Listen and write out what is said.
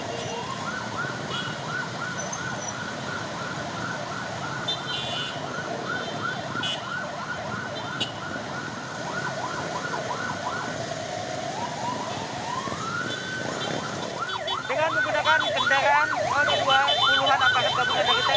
dengan menggunakan kendaraan menjual puluhan aparat